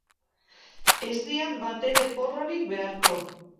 Ez diat batere porrorik beharko.